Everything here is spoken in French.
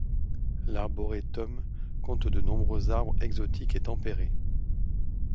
L'arboretum compte de nombreux arbres exotiques et tempérés.